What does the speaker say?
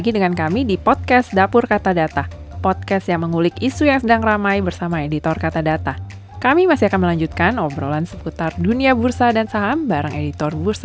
dapur kata data podcast